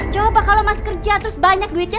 coba kalau mas kerja terus banyak duitnya